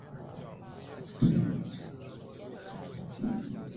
应用于化学反应工程领域的无因次群八田数即是以他之名命名的。